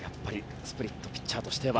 スプリットピッチャーとしては。